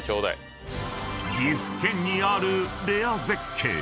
［岐阜県にあるレア絶景］